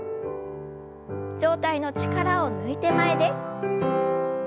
上体の力を抜いて前です。